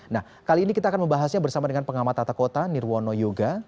nah kali ini kita akan membahasnya bersama dengan pengamat tata kota nirwono yoga